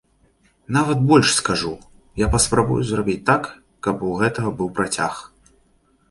Нават больш скажу, я паспрабую зрабіць так, каб у гэтага быў працяг.